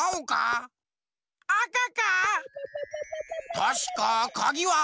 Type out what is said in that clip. たしかかぎは。